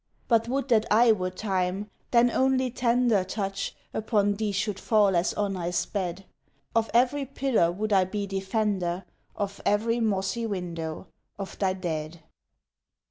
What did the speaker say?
But would that I were Time, then only tender Touch upon thee should fall as on I sped; Of every pillar would I be defender, Of every mossy window of thy dead!